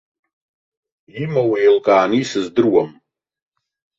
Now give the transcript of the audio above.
Имоу еилкааны исыздыруам.